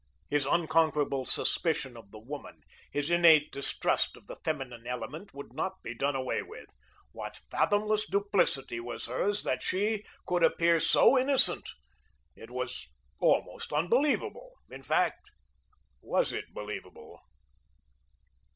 His unconquerable suspicion of the woman, his innate distrust of the feminine element would not be done away with. What fathomless duplicity was hers, that she could appear so innocent. It was almost unbelievable; in fact, was it believable?